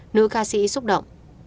nữ ca sĩ xúc động